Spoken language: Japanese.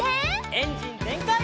エンジンぜんかい！